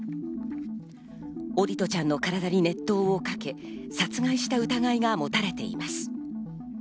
桜利斗ちゃんの体に熱湯をかけ、殺害した疑いがもたれています。